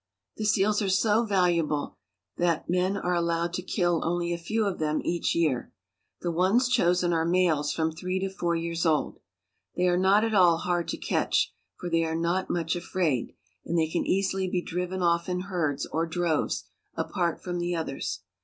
The seals are so valuable that men are allowed to kill only a few of them each year. The ones chosen are males from three to four years old. They are not at all hard to catch, for they are not much afraid, and they can easily be driven off in herds or droves, apart from the others.